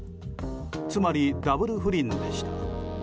つまりダブル不倫でした。